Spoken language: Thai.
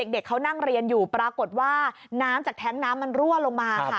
เด็กเขานั่งเรียนอยู่ปรากฏว่าน้ำจากแท้งน้ำมันรั่วลงมาค่ะ